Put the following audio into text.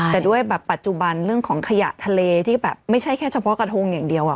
แต่ด้วยแบบปัจจุบันเรื่องของขยะทะเลที่แบบไม่ใช่แค่เฉพาะกระทงอย่างเดียว